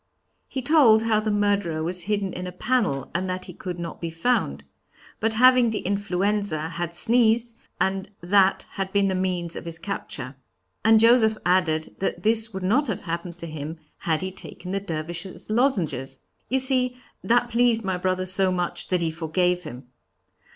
"He told how the murderer was hidden in a panel, and that he could not be found. But having the influenza, had sneezed, and that had been the means of his capture. And Joseph added that this would not have happened to him had he taken the Dervishes Lozenges. You see that pleased my brother so much that he forgave him.